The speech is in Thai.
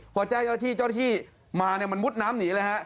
พอแจ้งเจ้าหน้าที่เจ้าหน้าที่มาเนี่ยมันมุดน้ำหนีเลยฮะ